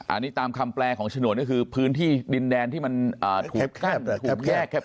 อันนี้ตามคำแปลของฉนวนก็คือพื้นที่ดินแดนที่มันถูกแยกแค่